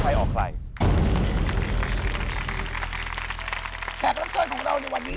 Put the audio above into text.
แท็กลำซ่อนของเราในวันนี้